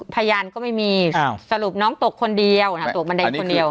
พยานก็ไม่มีสรุปน้องตกคนเดียวตกบันไดคนเดียว